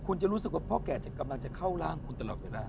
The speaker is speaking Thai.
คุณจะรู้สึกว่าพ่อแก่กำลังจะเข้าร่างคุณตลอดเวลา